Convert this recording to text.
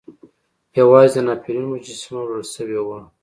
یوازې د ناپلیون مجسمه وړل شوې وه.